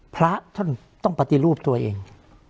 พระท่านต้องปฏิรูปตัวเอง